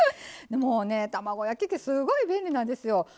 もうね卵焼き器すごい便利なんですよ。